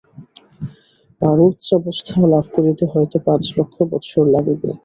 আরও উচ্চাবস্থা লাভ করিতে হয়তো পাঁচ লক্ষ বৎসর লাগিবে।